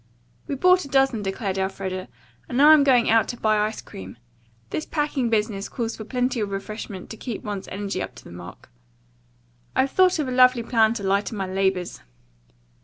"We bought a dozen," declared Elfreda, "and now I'm going out to buy ice cream. This packing business calls for plenty of refreshment to keep one's energy up to the mark. I've thought of a lovely plan to lighten my labors."